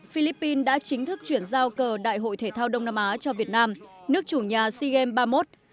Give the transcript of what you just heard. philippines đã chính thức chuyển giao cờ đại hội thể thao đông nam á cho việt nam nước chủ nhà sea games ba mươi một